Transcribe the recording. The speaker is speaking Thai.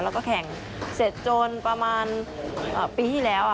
แล้วก็แข่งเสร็จจนประมาณปีที่แล้ว